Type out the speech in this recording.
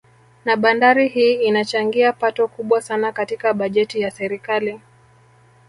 Na bandari hii inachangia pato kubwa sana katika bajeti ya serikali